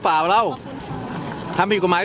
นาตาก๊ะก้า